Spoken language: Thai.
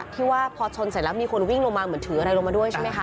ที่ว่าพอชนเสร็จแล้วมีคนวิ่งลงมาเหมือนถืออะไรลงมาด้วยใช่ไหมคะ